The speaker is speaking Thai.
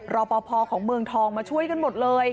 รอปภของเมืองทองมาช่วยกันหมดเลย